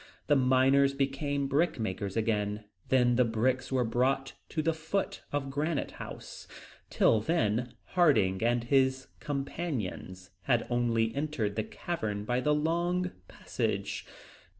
The miners became brickmakers again, then the bricks were brought to the foot of Granite House. Till then, Harding and his companions had only entered the cavern by the long passage.